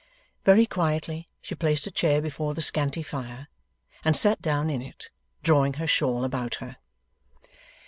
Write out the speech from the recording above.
Very quietly, she placed a chair before the scanty fire, and sat down in it, drawing her shawl about her.